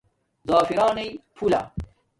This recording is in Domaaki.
زَفرانئ پھولہ